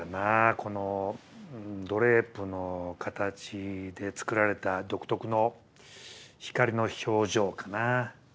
このドレープの形でつくられた独特の光の表情かな。